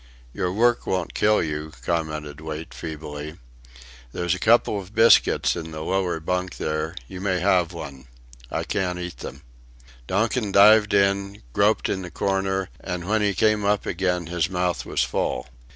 "Your work won't kill you," commented Wait, feebly; "there's a couple of biscuits in the lower bunk there you may have one. I can't eat them." Donkin dived in, groped in the corner and when he came up again his mouth was full.